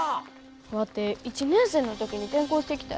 ワテ１年生の時に転校してきたやろ？